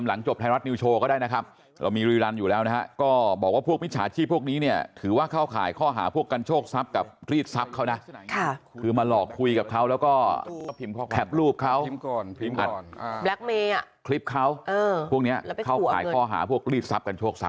มีประโยชน์มากเลยครับ